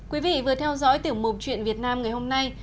quý vị vừa theo dõi tiểu mục chuyện việt nam ngày hôm nay